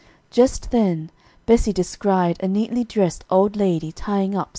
Just then Bessie descried a neatly dressed old lady tying up some vines.